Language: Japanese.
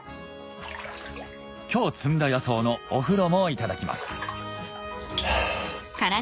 今日摘んだ野草のお風呂もいただきますハァ。